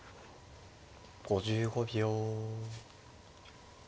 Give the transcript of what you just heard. ５５秒。